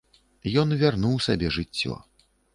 Ён вярнуў сабе жыццё.